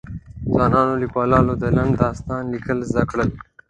ځوانو ليکوالو د لنډ داستان ليکل زده کړل.